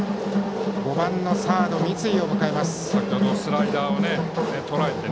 ５番サード、三井を迎えます。